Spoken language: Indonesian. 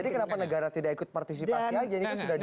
jadi kenapa negara tidak ikut partisipasi aja ini sudah diundang